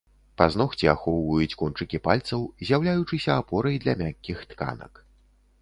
Пазногці ахоўваюць кончыкі пальцаў, з'яўляючыся апорай для мяккіх тканак.